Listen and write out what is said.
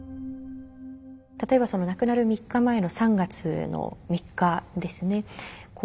例えば亡くなる３日前の３月の３日ですね。